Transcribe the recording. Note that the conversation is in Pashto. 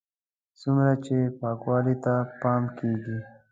څومره چې پاکوالي ته پام کېږي.